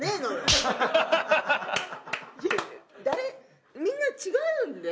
誰みんな違うんで。